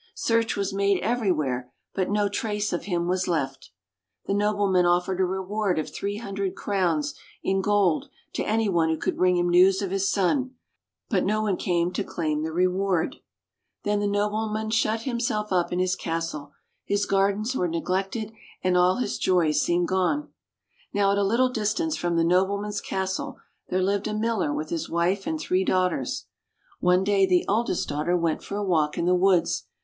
Search was made everywhere, but no trace of him was left. The nobleman offered a reward of three hundred crowns in gold to anyone who could bring him news of his son ; but no one came to claim the reward. [ 72 ] THE MILLERS S DAUGHTER Then the nobleman shut himself up in his castle; his gardens were neglected, and all his joys seemed gone. Now at a little distance from the noble man's castle, there lived a miller with his wife and three daughters. One day the eldest daughter went for a walk in the woods.